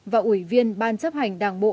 và ủy viên ban chấp hành đảng bộ